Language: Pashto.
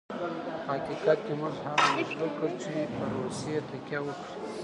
په حقیقت کې موږ هغه مجبور کړ چې پر روسیې تکیه وکړي.